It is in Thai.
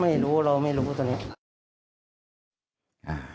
ไม่รู้เราไม่รู้ตอนนี้